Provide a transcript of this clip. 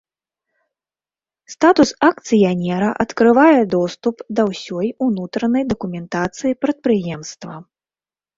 Статус акцыянера адкрывае доступ да ўсёй унутранай дакументацыі прадпрыемства.